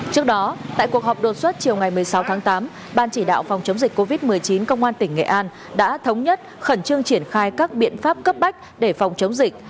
trước đó tại cuộc họp đột xuất chiều ngày một mươi sáu tháng tám ban chỉ đạo phòng chống dịch covid một mươi chín công an tỉnh nghệ an đã thống nhất khẩn trương triển khai các biện pháp cấp bách để phòng chống dịch